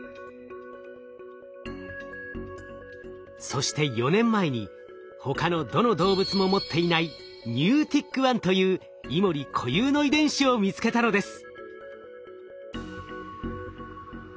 そして４年前に他のどの動物も持っていないＮｅｗｔｉｃ１というイモリ固有の遺伝子を見つけたのです。